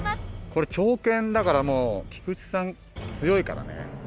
これ長剣だからもう菊池さん強いからね。